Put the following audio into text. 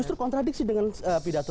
justru kontradiksi dengan pidato